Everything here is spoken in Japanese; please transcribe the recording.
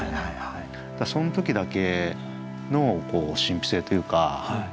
その時だけの神秘性というか。